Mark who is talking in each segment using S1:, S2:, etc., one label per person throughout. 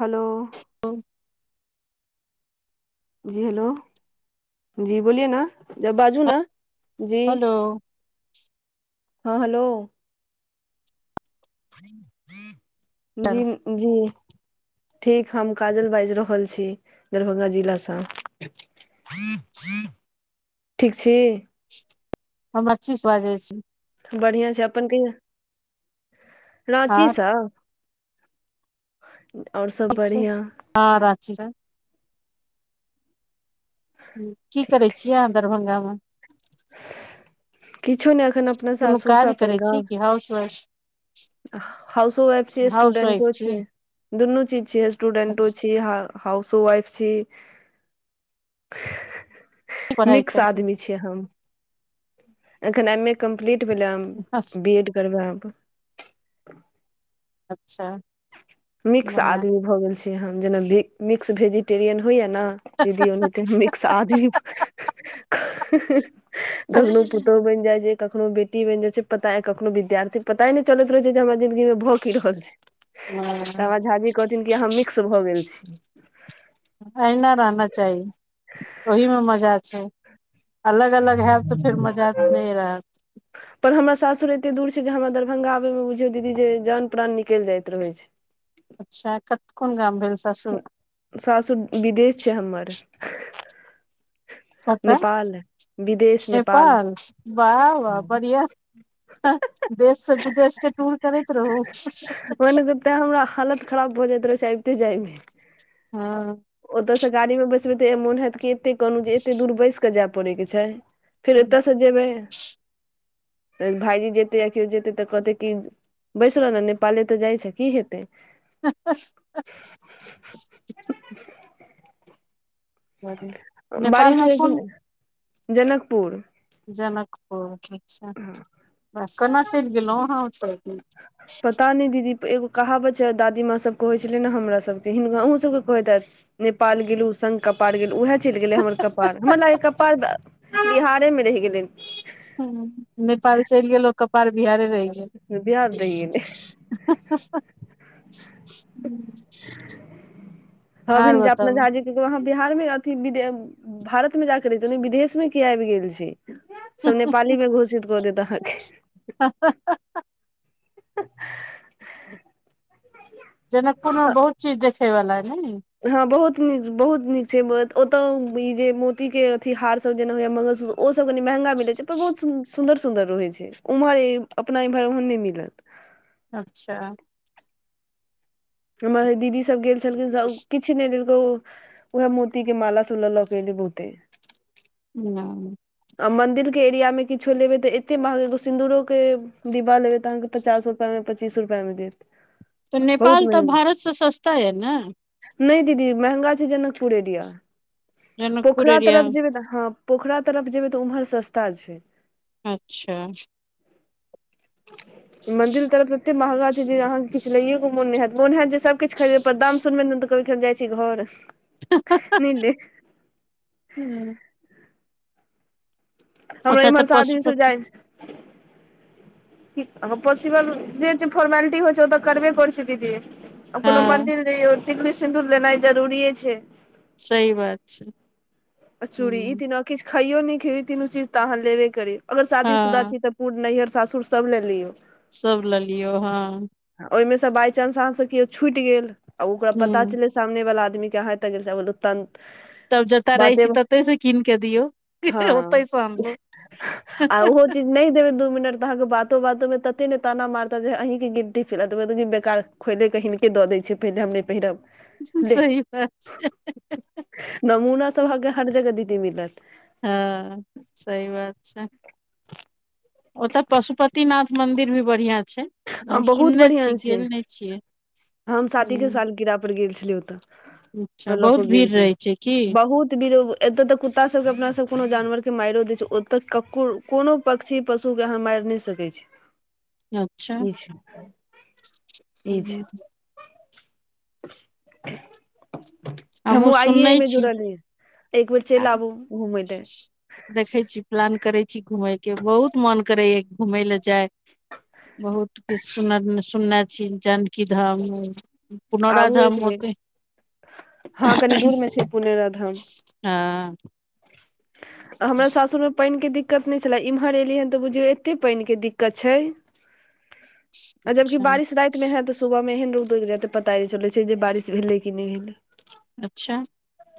S1: Hello
S2: ओ
S1: जी hello जी बोलिए न जा बाजू न। जी
S2: हेलो
S1: हॅं हेलो। जी जी। ठीक हम काजल बाजि रहल छी दरभंगा जिला स। ठीक छी।
S2: हम अच्छी से बाजै छी।
S1: बढ़िया छै अपन कहियौ राँची
S2: आर
S1: स आओर सब
S2: ठीक छै
S1: बढ़िआं।
S2: हँ रांची स की करै छीयै अहाँ दरभंगा मे?
S1: किछु नहि एखन अपना
S2: कोनो
S1: सासुरसँ
S2: काज
S1: अपन
S2: करै छी
S1: गाम
S2: कि हाउस वाइफ
S1: हाउसोवाइफ छियै
S2: हाउस वाइफ
S1: स्टूडेंटो
S2: छी
S1: छियै दुनू चीज छियै स्टूडेंटो
S2: अच्छा
S1: छियै। जी हां हाउसोवाइफ छी
S2: की पढ़ाइ
S1: मिक्स
S2: करै छी
S1: आदमी छियै हम एखन एम ए कम्प्लीट भेलै हन। बी एड करबै अब।
S2: अच्छा
S1: मिक्स
S2: बढ़िया
S1: आदमी भऽ गेल छै हम जेना मिक्स भेजी टेरियन होइया ने जे ओ त [unintelligible] मिक्स आदमी कखनौ पुतौह बनि जाइ छै, कखनो बेटी बहिन जे छै पता, कखनो विद्यार्थी पता नहि चलैत रहै छै जे हमर जिन्दगी मे भऽ की रहल छै तऽ हमरा झा जी कहथिन कि अहाँ मिक्स भऽ गेल छी।
S2: एहिना रहना चाही ओहिमे मजा छै अलग अलग हैत तऽ फेर मजा नहि रहत
S1: ह [inaudible] पर हमरा सासुर एते दूर छै जे हमरा दरभंगा आबै मे बुझियौ दीदी जे जान प्राान निकलि जाइत रहै छै।
S2: अच्छा कत कोन गाम भेल सासुर?
S1: सासूर विदेश छै हमर।
S2: कतऽ
S1: नेपाल
S2: नेपाल वाह वाह बढ़िआ देश से विदेश के टूर करैत रहू
S1: ततैं हमरा हालत खराब भऽ जाइत रहै छै अबिते जाय मे
S2: हँ
S1: ओतयसँ गाड़ी मे बैसबै तऽ मोन हैत कि एते कहलहुँ जे एतेक दूर बैस कऽ जाय पड़ेके छै फेर एतय से जेबै भाईजी जेतै आ किओ जेतै तऽ कहतै की बैस रह ने नेपाले तऽ जाइ छै की हेतै
S2: ह चलू नेपाल
S1: बारिश
S2: मे
S1: होइया कि
S2: कोन
S1: नहि जनकपुर
S2: जनकपुर अच्छा वाह केना चलि गेलौं अहाँ ओतऽ के
S1: [unintelligible] दीदी एगो कहावत छै दादी माँ सब कहै छले ने हमरा सबके [unintelligible] अहूँ सब कहैत हैत नेपाल गेलु संग कपार गेलु उएह चलि गेलै हमर कपार हमरा लागे कपार बिहारे मे रहि गेलै
S2: हूं नेपाल चलि गेलौं कपार बिहारे रहि गेल।
S1: बिहार रहि गेलै
S2: हा हा हा आर
S1: हबिन जे
S2: बताबू
S1: [unintelligible] अहाँ बिहार मे अथी विदे भारत मे जाके रहते ने ई विदेश मे की आइब गेल छि। सब नेपाली मे घोषित कऽ देत अहाँके
S2: हा हा हा
S1: हं
S2: जनकपुरमे बहुत चीज देखै बला छै नै?
S1: हँ बहुत नीक बहुत नीक छै ओतो ई जे मोती के अथी हार सब जेना होयै मंगल सूत्र ओ सब कनि महंगा मिलै छै पर बहुत सुन्दर सुन्दर रहै छै उम्हर अपना इम्हर ओहन नइ मिलत
S2: अच्छा
S1: तऽ हमर जे दीदी सब गेल छलखिन स किछ नइ लेल [unintelligible] तऽ उ उहे मोती के माला सब लऽ लऽ के एलै बहुते
S2: [unintelligible]
S1: आ मन्दिर के एरिया मे किछो लेबै तऽ एते महग एगो सिन्दूरो के डिब्बा लेबय तऽ अहाँके पचास रुपैया मे पचीस रुपैआ मे देत
S2: तऽ
S1: बहुत
S2: नेपाल तऽ भारत से सस्ता यऽ ने?
S1: नइ दीदी महंगा छै जनकपुर एरिया
S2: जनकपुर
S1: पोखरा
S2: एरिया
S1: तरफ जेबै तऽ हँ पोखरा तरफ जेबै तऽ उम्हर सस्ता छै।
S2: अच्छा
S1: मन्दिल तरफ तते महंगा जे अहाँके किछु लैये के मोन नइ हैत मोन हैत जे सभ किछ खरीद पर दाम सुनबै ने तऽ कहबे की हम जाइ छी घर। नै देख
S2: हूँ
S1: हमरा
S2: ओतऽ तऽ
S1: इम्हर से आदमी सब
S2: पशुपति
S1: जाइ हं पॉसिबल जे जे फोर्मेलिटी होइ छै ओ तऽ करबे करे छीयै दीदी। आब कोनो
S2: हँ
S1: मन्दिल जइयौ टिकली सिन्दूर लेनाइ जरूरीए छै।
S2: सही बात छै।
S1: आ चूड़ी ई
S2: हूँ
S1: तीनो किछु खइयो नहि खइयो ई तीनू चीज त अहाँ लेबे करी अगर शादीशुदा
S2: हँ
S1: छी तऽ [unintelligible] नैहर सासुर सब ले लियो।
S2: सब लेल लियौ हाँ।
S1: आ ओइमे से बाइ चांस अहाँ से केओ छुटि गेल आ ओकरा पता
S2: ह
S1: चलै सामने वाला आदमी के अहां एत गेल [unintelligible]
S2: तब जतऽ रहै
S1: बाते
S2: छी तते से कीन के दियौ ओते
S1: हँ
S2: से अनलहु
S1: आ ओहो चीज नहि देबै दू मिनट तऽ अहाँके बातो बातो में तते ने ताना मारता जे अहीं के गिल्टी फील हैत हैत की बेकार खोइले कऽ हीनके दऽ दै छीयै पहिले हम नै पहिरब। ले
S2: सही बात छै। हे हे हे।
S1: नमूना सब अहाँके के हर जगह दीदी मिलत।
S2: हँ सही बात छै। ओत पशुपति नाथ मंन्दिर भी बढ़िआं छै
S1: हँ
S2: हम
S1: बहुत
S2: सुनने छी
S1: बढ़िया छै
S2: गेल नै छियै।
S1: हम शादीे के
S2: ह
S1: सालगिरह पर गेल छलिए ओतऽ।
S2: अच्छा
S1: तऽ लऽ कऽ
S2: बहुत
S1: गेल
S2: भीड़
S1: छलिए
S2: रहै छै की
S1: बहुत बीरो एतए तऽ कुत्ता सब के अपना सब कोनो जानवर के माइरो दय छै ओत ककरो कोनो पक्ष पक्षी पशुके अहाँ माइर नै सकै छी।
S2: हँ
S1: ई छै ई छै। [inaudible]
S2: हूँ हमहुँ
S1: हमूँ आइये
S2: सुनने
S1: एहिमे
S2: छी
S1: जुड़लियै एक बेेर
S2: आ
S1: चलि आबु घूमय ले।
S2: देखै छी प्लान करै छी घूमय के बहुत मन करैया घूमय ले जाय। बहुत किछु सुन सुनने छी जानकी धाम, पुनौरा
S1: आबू एक
S2: धाम ओतय
S1: बेर हँ कनि दूर में छै पुनौराधाम।
S2: हँ
S1: आ हमरा सासुरमे पानि के दिक्कत नहि छले इम्हर एलियै हैं त बुझियौ एते पानि के दिक्कत छै। आ जबकि
S2: अच्छा
S1: बारिश राति मे हैत तऽ सुबह मे एहन रोउद उग जैत जे पता ए नै चलै छै जे बारिश भेलै कि नहि भेलै।
S2: अच्छा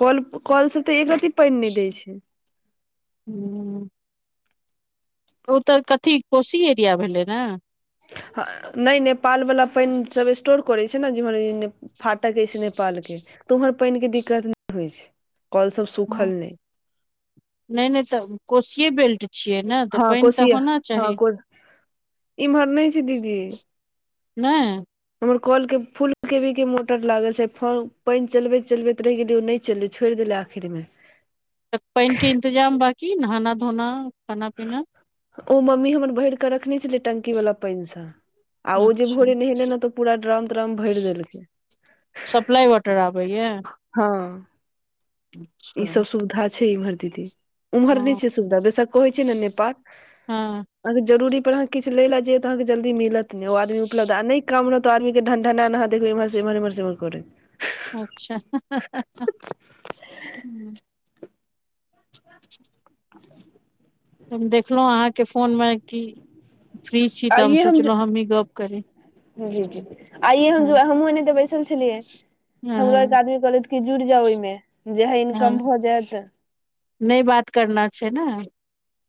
S1: कल कल स तऽ एक रती पानि नहि दै छै।
S2: हूं ओ त कथी कोशी एरिया भेलै ने।
S1: ह नहि नेपाल वला पानि सब स्टोर करै छै ने जेम्हर फाटक अछि नेपाल के त उम्हर पानि के दिक्कत नहि होइ छै। कल सब
S2: हँ
S1: सुखल नहि।
S2: नहि नहि त कोसिये बेल्ट छियै ने त
S1: हँ
S2: पानि त
S1: कोशिया
S2: होना
S1: हँ
S2: चाही।
S1: को इम्हर नहि छै दीदी
S2: नहि
S1: हमर कल के फूल के भी के मोटर लागल छै फ पानि चलबैत चलबैत रहि गेलियै ओ नहि चललै छोड़ि देलै। फिदमे [unintelligible]
S2: त पानि के इन्तजाम बाकी नहाना धोना खाना पीना
S1: ओ मम्मी हमर भर कऽ रखने छलै टंकी वाला पानिसँ। आ ओ जे
S2: अच्छा
S1: भोरे नहेनेे न तऽ पूरा ड्रम त्रम भरि देलकै।
S2: सप्लाइ वाटर आबै य।
S1: हँ ई सब
S2: हँ
S1: सुविधा छै इम्हर दीदी। उम्हर नहि छै सुविधा बेसक कहइ छै ने नेपाल।
S2: हँ
S1: अहाँ जरुरी परह किछ लए ले जाय त अहाँके जल्दी मिलत नै ओ उपलब्ध आ नहि काम रहत त आदमी के ढंढनैत अहाँ देखबै एम्हर एम्हर एम्हर सेवन करैत।
S2: अच्छा ह ह ह ह ह।
S1: [unintelligible]
S2: हम देखलहुँ अहाँके फोनमे की। त हम सोचलहुं हमही गप करी।
S1: जी जी आइए हम
S2: हँ
S1: जू हमहूँ एनैते बैसल छलियै। हमरो एक
S2: हँ
S1: आदमी कहलथि कि जुड़ि जाउ एहिमे जेहे इनकम
S2: हँ
S1: भऽ जैत।
S2: नहि बात करना छै ने।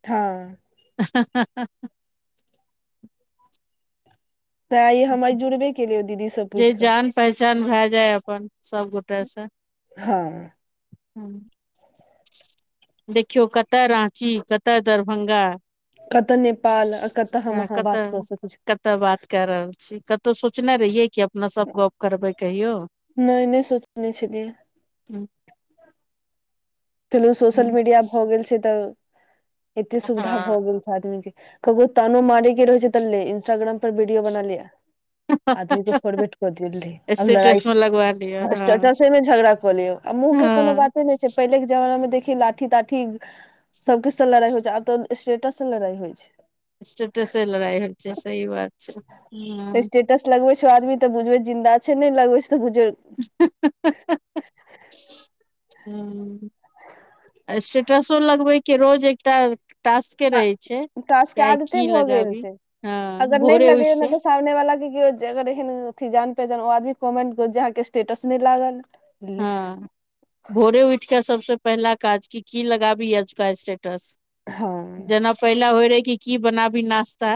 S1: हँ।
S2: हा हा हा [unintelligible]
S1: त आइ हम आइ जुड़बे केलियै ओ दीदी स
S2: जे
S1: पूछि कऽ।
S2: जान पहचान भए जाय अपन सब गोटे से।
S1: हँ।
S2: हँ। देखियौ कतअ राँची कतअ दरभंगा।
S1: कतऽ नेपाल कतऽ हम अहाँ बात क सकैत छी।
S2: त बात क रहल छी कतहु सोचने रहियै जे अपना सब गप करबै कहियो।
S1: नहि नहि सोचने छलियै।
S2: हू।
S1: चलू सोशल मीडिया भ गेल छै त एते सुविधा भ गेल। आदमी के ककरो तानो मारे के रहे छै त ले इंस्टाग्राम पर वीडियो बना ले। आदमी के फरबेट क देली अब लगाइ
S2: स्टेटस मे लगवा लिअ हँ
S1: स्टेटसे में झगड़ा कऽ लिय आ मुँह के कोनो
S2: हँ
S1: बाते नहि छै पहिले जमाना मे देखिये लाठी -ताठी सब किछ से लड़ाई होय छै आब तऽ स्टेटस से लड़ाई होय छै।
S2: स्टेटस से लड़ाय होय छै सही बात छै हूँ।
S1: टस लगबै छैय आदमी त बुझबै जिन्दा छै नैय लगबे छै बुझ।
S2: हे हे हे हूँ। स्टेटसो लगबेै के रोज एकटा। टास्के रहेै छै
S1: टास्क के
S2: की आय
S1: आदते
S2: की
S1: भऽ गेल
S2: लगाबी
S1: छै
S2: ह
S1: अगर नहि
S2: भोरे
S1: लगैयौ ने
S2: उठके।
S1: तऽ सामने वाला के अगर एहन अ जान- पान आदमी कमेंट कर जे आहाँ के स्टेटस नैय लागल।
S2: ह भोरे उठ केऽ सबसे पहिला काज की की लगाबी ओजुका स्टेटस।
S1: हँ
S2: जेना पहिला होय रहै कि की बनाबी नास्ता।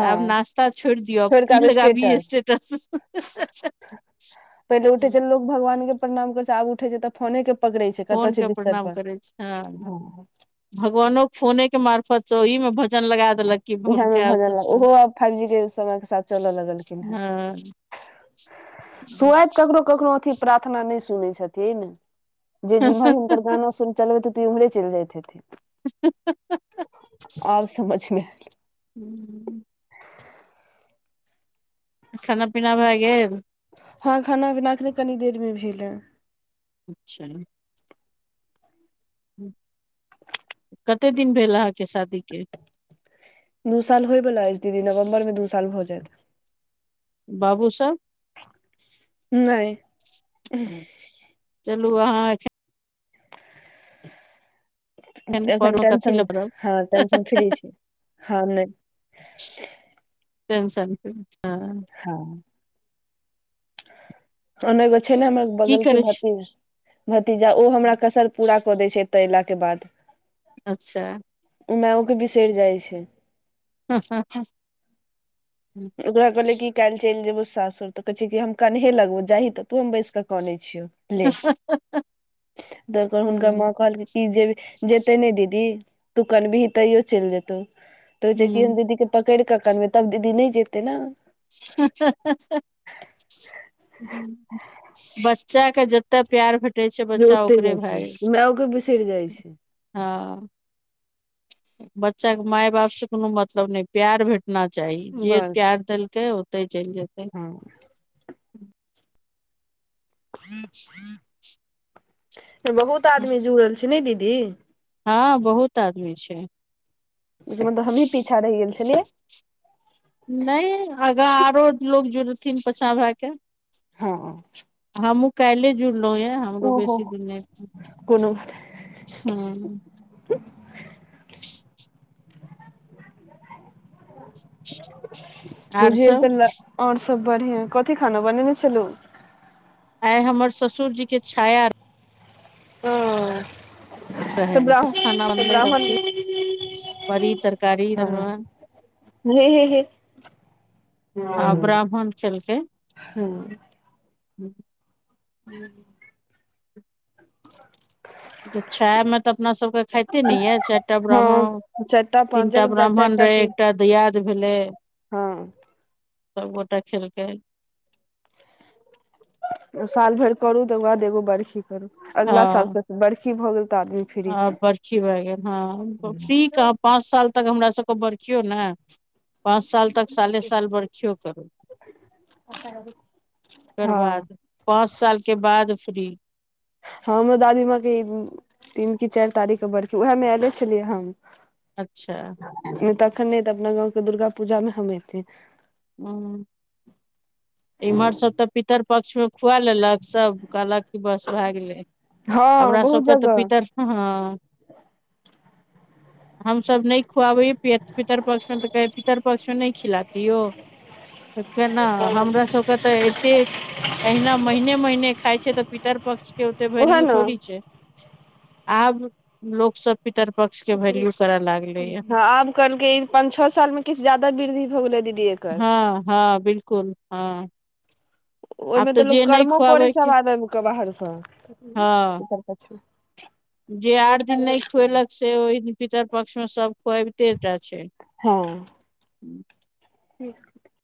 S2: तऽ आब नास्ता छोड़ दियौ आब की लगाबी स्टेटस।
S1: पहिले उठे छै लोग भगवान के प्रणाम कर छै आब उठे छै त फोने के पकड़े छैय कतऽ
S2: फोन
S1: छै
S2: के
S1: बिस्तर
S2: प्रणाम
S1: पर
S2: करै छी हँ
S1: ह।
S2: भगवानो के फोने के मार्फत छैय ओही मे जन लगा देलक क
S1: इहे
S2: भर
S1: मे
S2: के
S1: भऽ गेल
S2: त सुन
S1: ओहो आब फाइव जी के समय के साथ चलऽ लगलखिन
S2: ह [unintelligible] [inaudible]
S1: सुअैत ककरो ककरे अथी प्रार्थना नैय सुनै छथिन जे जिम्हर हिनकर गाना सुन चलबैत हेतै उमहरे चैल जैत हेथीन।
S2: ह ह ह
S1: आब समझ मेे एलै।
S2: हूँ खाना पीना भए गेल।
S1: हं खाना -पीना अखने कनी देर मे भेल ए।
S2: अच्छा कते दिन भेल आहाँ के शादी के?
S1: दू साल होयवला अैछ दीदी नवम्बर मे दू साल भऽ जैत।
S2: बाबू सब।
S1: नैय
S2: चलू आहाँ एखैन
S1: एखन
S2: पढ़ू कथी
S1: टेंशन
S2: लए पड़ब
S1: हँ टेंशन फ्री छी ह नैय
S2: टेंशन फ्री हं।
S1: हँ तहन एगो छै ने हमर
S2: की
S1: बगल के
S2: करै छी
S1: भतीज भतीजा ओ हमरा कसर पूरा कऽ दै छै एत एला के बाद।
S2: अच्छा
S1: मैओ के बिसरि जाइ छै।
S2: हा हा हा
S1: ओकरा कहलियै की कैल्ह चैल जेबौ सासुर तऽ कहैछै कि हम कनहे लगबौ जाही तऽ तू हम बैस कऽ कने छियौ। ले त ओकर हुनकर
S2: हँ
S1: माँ कहलखिन जे जेते ने दीदी तू कनबीही तैयो चैल जेतौ तऽ कहैछै कि हम
S2: हँ
S1: दीदी के पकैड़ कऽ कनबै तब दीदी नैय जेतै न।
S2: हे हे हे हे बच्चा के जत तऽ प्यार भेटै छै
S1: जे
S2: बच्चा
S1: ओते
S2: ओकरे
S1: जाइ
S2: भै
S1: छै
S2: जाय
S1: मायओके बिसरि जाइ
S2: छै
S1: छै
S2: हँ। बच्चा के माय- बाप से कोनो मतलब नैय प्यार भेटना चाही जे प्यार देलकै ओ तै चैल जेतै।
S1: हं त बहुत आदमी जुड़ल छैय नय दीदी।
S2: हं बहुत आदमी छैय।
S1: एय के मतलब हमही पीछा रैह गेल छेलियै।
S2: नैय आगा आरो लोग जुड़थिन पाछा भए के।
S1: हँ
S2: हमहूँ काल्हिए जुड़लहुँ ये हमरो
S1: ओहो
S2: बेसी दिन नहि
S1: कोनो बात
S2: हूँ आर
S1: बुझियौ
S2: सब
S1: त और सब बढ़िआ कथी खाना बनेने छलौं?
S2: आइ हमर ससुर जी के छाया
S1: तऽ
S2: रहैन
S1: ब्राह्म
S2: बस खाना
S1: तऽ
S2: बनलै
S1: ब्राह्मण
S2: सब्जी बरी, तरकारी, तरुआ
S1: हे हे हे
S2: आ ब्राह्मण खेलकै।
S1: [unintelligible]
S2: तऽ छायामे तऽ अपना सभके खाइते ने यै चारि टा
S1: हँ
S2: ब्राह्मण
S1: चारिटा पाँच
S2: तीनटा
S1: जगह
S2: ब्राह्मण रहै, एकटा दयाद भेलै।
S1: हं
S2: सबगोटा खेलकै।
S1: साल भैर करू, तकर बाद एगो बरखी करू,
S2: हँ
S1: अगला सालस बरखी भऽ गेल ताधरि।
S2: आ बरखी भै गेल, हं फ्री कहां पांच साल तक हमरा सबके बरखीयो ने। पांच साल तक साले साल बरखीयो करू।
S1: [inaudible]
S2: ओकर
S1: हँ
S2: बाद, पांच साल के बाद फ्री।
S1: हमरो दादी मांके इ तीन की चारि तारीख के बरखी, उऐह मे एले छलियै हम।
S2: अच्छा।
S1: नहि तखन नहि, तऽ अपना गाँव के दुर्गा पूजामे हम ऐथि।
S2: हुं इम्हर सब तऽ पितर पक्ष मे खुआ लेलक सब कहलक। बस भै गेलय,
S1: हँ
S2: हमरा
S1: बहुत
S2: सबके तऽ पितर
S1: जगह
S2: हंअ।
S1: [inaudible]
S2: हमसभ नहि खुआबै पितर पक्ष में, तऽ कहै पितर पक्ष मे नहि खिलाती हो। केना हमरा सबके तऽ एतेक। अहिना महिने महिने खाय छै, तऽ पितर पक्ष के ओते
S1: उएह
S2: वैल्यू
S1: ने
S2: थोड़ी छय। आब लोक सब पितर पक्ष के वैल्यू करय लागले ये।
S1: हँ आब कहलकै ई पाँच छह साल मे किछु जादा वृद्धि भ गेलै दीदी एक
S2: हं-हं बिलकुल हं।
S1: ओयमे तऽ लोक कर्मो करै छै,
S2: खुआबैके
S1: आब [unintelligible] के बाहरस, कथि में
S2: हँ
S1: पितरपक्ष में।
S2: जे आठ दिन नहि खुयेलक से, ओहि दिन पितर पक्ष में सब खुआबिते टा छै।
S1: हं। ठीक